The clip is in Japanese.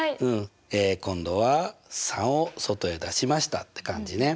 え今度は３を外へ出しましたって感じね。